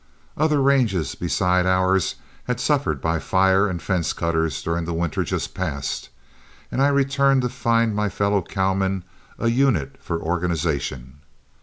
Other ranges besides ours had suffered by fire and fence cutters during the winter just passed, and I returned to find my fellow cowmen a unit for organization.